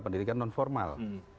pendidikan non formal